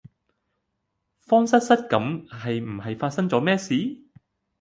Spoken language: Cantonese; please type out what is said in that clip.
慌失失咁係唔係發生左咩事？